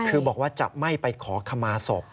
คือบอกว่าจะไม่ไปขอขมาศพ